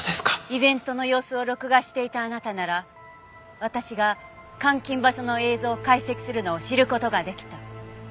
イベントの様子を録画していたあなたなら私が監禁場所の映像を解析するのを知る事ができた。